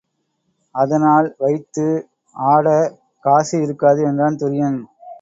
அதனால் வைத்து ஆடக் காசு இருக்காது என்றான் துரியன்.